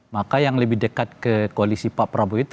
maka yang lebih dekat ke koalisi pak prabowo itu